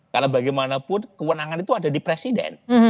karena bagaimanapun kewenangan itu ada di presiden